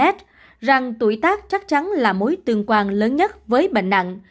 bệnh nặng tuổi tác chắc chắn là mối tương quan lớn nhất với bệnh nặng